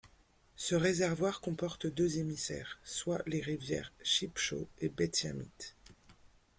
Ce réservoir comporte deux émissaires, soient les rivières Shipshaw et Betsiamites.